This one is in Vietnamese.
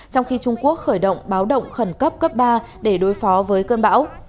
trong khi trung quốc khởi động báo động khẩn cấp cấp ba để đối phó với cơn bão